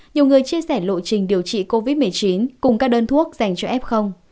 nhiều người chia sẻ lộ trình điều trị covid một mươi chín cùng các đơn thuốc dành cho f